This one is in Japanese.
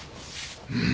うん。